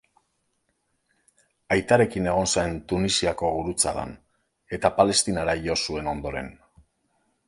Aitarekin egon zen Tunisiako gurutzadan eta Palestinara jo zuen ondoren.